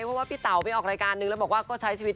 เพราะว่าพี่เต๋าไปออกรายการนึงแล้วบอกว่าก็ใช้ชีวิต